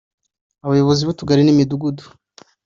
bayobozi b’utugari n’imidugudu